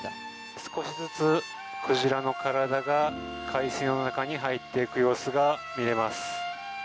少しずつクジラの体が海水の中に入っていく様子がみられます。